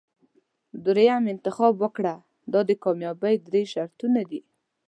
دریم انتخاب وکړه دا د کامیابۍ درې شرطونه دي.